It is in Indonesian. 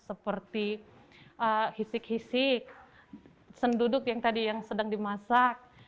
seperti hisik hisik senduduk yang tadi yang sedang dimasak